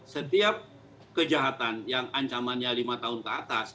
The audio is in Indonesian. setiap kejahatan yang ancamannya lima tahun ke atas